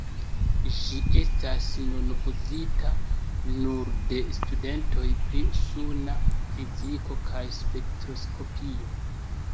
Ĝi estas nun uzita nur de studentoj pri suna fiziko kaj spektroskopio.